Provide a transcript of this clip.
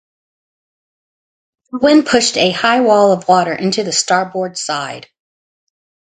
The wind pushed a high wall of water into the starboard side.